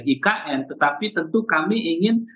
ikn tetapi tentu kami ingin